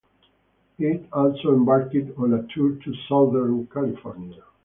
It also embarked on a tour to Southern California.